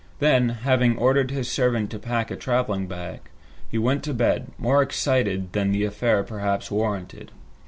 Then, having ordered his servant to pack a traveling bag, he went to bed, more excited than the affair perhaps warranted.